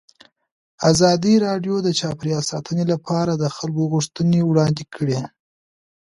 ازادي راډیو د چاپیریال ساتنه لپاره د خلکو غوښتنې وړاندې کړي.